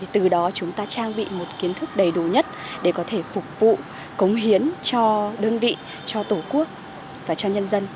từ đó chúng ta trang bị một kiến thức đầy đủ nhất để có thể phục vụ cống hiến cho đơn vị cho tổ quốc và cho nhân dân